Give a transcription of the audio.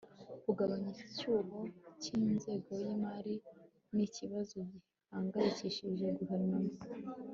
kugabanya icyuho cy'ingengo y'imari ni ikibazo gihangayikishije guverinoma